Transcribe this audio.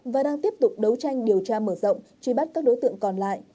và đang tiếp tục đấu tranh điều tra mở rộng truy bắt các đối tượng còn lại